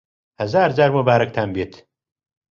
هەزار جار موبارەکتان بێت